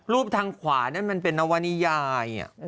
ทางขวานั่นมันเป็นนวนิยาย